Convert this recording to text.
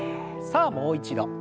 さあもう一度。